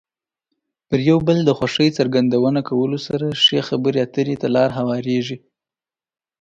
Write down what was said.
پر یو بل د خوښۍ څرګندونه کولو سره ښې خبرې اترې ته لار هوارېږي.